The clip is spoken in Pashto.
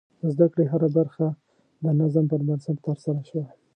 د زده کړې هره برخه د نظم پر بنسټ ترسره شوه.